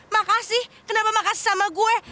makasih kenapa makasih sama gue